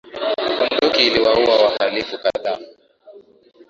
Bunduki iliwaua wahalifu kadhaa